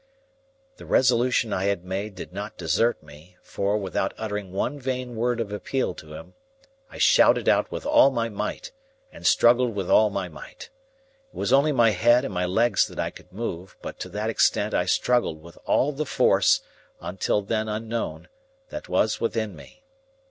The resolution I had made did not desert me, for, without uttering one vain word of appeal to him, I shouted out with all my might, and struggled with all my might. It was only my head and my legs that I could move, but to that extent I struggled with all the force, until then unknown, that was within me.